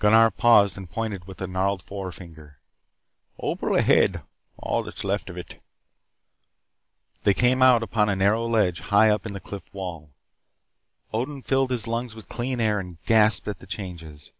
Gunnar paused and pointed with a gnarled forefinger. "Opal ahead. All that is left of it." They came out upon a narrow ledge high up in the cliff wall. Odin filled his lungs with clear air and gasped at the changes.